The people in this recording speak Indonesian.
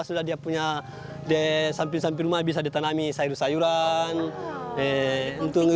sudah dia punya di samping samping rumah bisa ditanami sayur sayuran